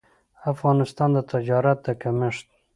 افغانستان د تجارت د کمښت